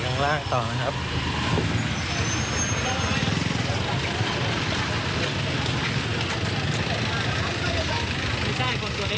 ทำไมเครื่องขับมา